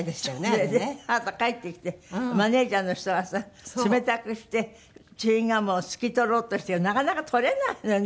それであなた帰ってきてマネジャーの人がさ冷たくしてチューインガムをすき取ろうとしてもなかなか取れないのね。